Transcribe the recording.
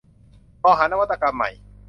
มองหานวัตกรรมใหม่